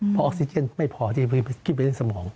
เพราะออกซิเจนไม่พอที่คิดไปในสมอง